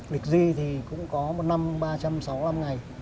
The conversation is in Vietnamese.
lịch di thì cũng có một năm ba trăm sáu mươi năm ngày